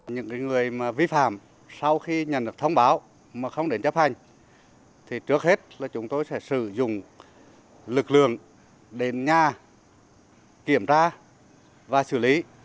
những người vi phạm sau khi nhận được thông báo mà không đến chấp hành thì trước hết là chúng tôi sẽ sử dụng lực lượng đến nhà kiểm tra và xử lý